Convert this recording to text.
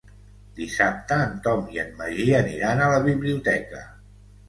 Dissabte en Tom i en Magí aniran a la biblioteca.